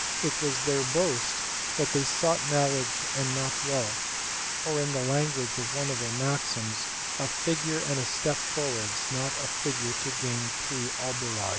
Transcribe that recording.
It was their boast that they sought knowledge and not wealth, or in the language of one of their maxims, "a figure and a step forwards, not a figure to gain three oboli."